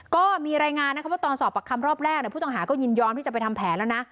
ก็มีรายงานนะครับว่าตอนสอบปากคำรอบแรกผู้ต้องหาก็ยินยอมที่จะไปทำแผนแล้วนะ